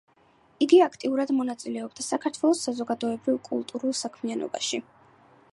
იგი აქტიურად მონაწილეობდა საქართველოს საზოგადოებრივ-კულტურულ საქმიანობაში.